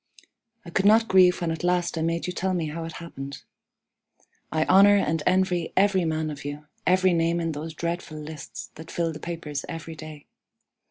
I could not grieve when at last I made you tell me how it happened. I honor and envy every man of you every name in those dreadful lists that fill the papers every day.